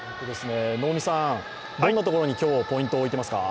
能見さん、どんなところに今日はポイントを置いていますか？